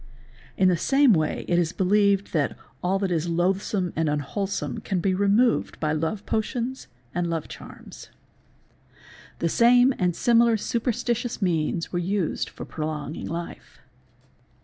In the same way it is believed that all that is "loathsome and unwholesome can be removed by love potions and love charms 6%—102)_ The same and similar superstitious means were used o 388 SUPERSTITION for prolonging life.